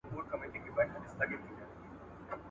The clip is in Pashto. ډاکټره د لوړ ږغ سره پاڼه ړنګوله.